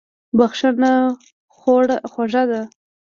بښنه خوږه ده.